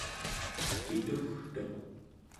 kitugtuq